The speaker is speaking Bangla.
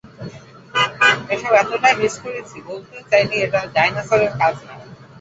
এসব এতোটাই মিস করেছি, বলতেও চাইনি এটা কোনো ডাইনোসরের কাজ না।